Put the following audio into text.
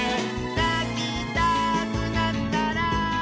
「なきたくなったら」